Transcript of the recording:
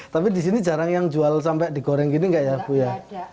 tapi di sini jarang yang jual sampai digoreng gini nggak ya bu ya